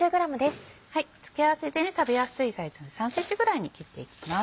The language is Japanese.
付け合わせで食べやすいサイズの３ｃｍぐらいに切っていきます。